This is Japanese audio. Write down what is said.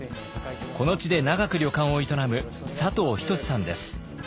この地で長く旅館を営む佐藤仁さんです。